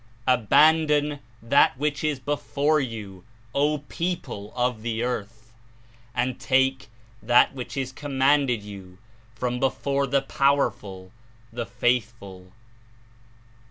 Abandon that which is before you, O people of the earth, and take that which is commanded you from before the 79 Powerful, the Faithful.